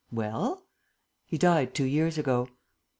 "Well?" "He died two years ago."